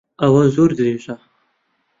ئەوە زۆر درێژە.